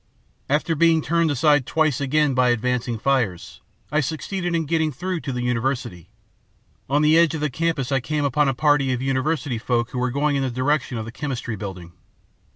"After being turned aside twice again by advancing fires, I succeeded in getting through to the university. On the edge of the campus I came upon a party of university folk who were going in the direction of the Chemistry Building.